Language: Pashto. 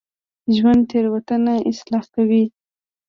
ژوندي تېروتنه اصلاح کوي